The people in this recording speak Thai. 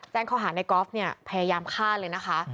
แจ้งข้อหาในกอล์ฟเนี่ยพยายามฆ่าเลยนะคะ